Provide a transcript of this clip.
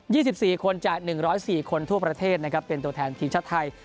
สิบสี่คนจากหนึ่งร้อยสี่คนทั่วประเทศนะครับเป็นตัวแทนทีมชาติไทย